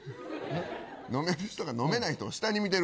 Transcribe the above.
飲める人が飲めない人を下に見ている？